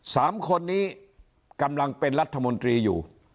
สามคนนี้กำลังเป็นรัฐมนตรีอยู่